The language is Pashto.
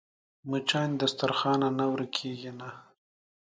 مچان د دسترخوان نه ورکېږي نه